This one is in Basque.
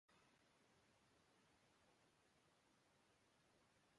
Eskuko telefonotik edo tabletatik webgune osoa ikusteko aukera ere ematen da.